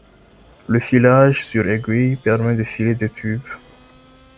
Le filage sur aiguille permet de filer des tubes.